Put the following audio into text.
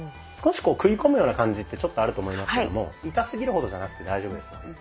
少し食い込むような感じってちょっとあると思いますけども痛すぎるほどじゃなくて大丈夫です。